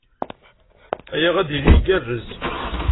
Aya ad d-yili igerrrez.